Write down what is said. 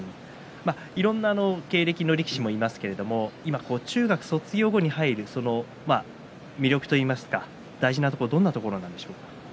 いろんな経歴の力士もいますけど中学卒業後に入る魅力と言いますか大事なところはどんなところですか。